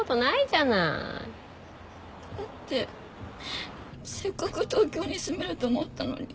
だってせっかく東京に住めると思ったのに。